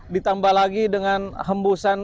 ditambah lagi dengan hembusannya